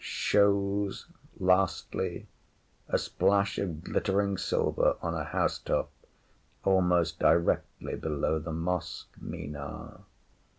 Shows lastly, a splash of glittering silver on a house top almost directly below the mosque Minar.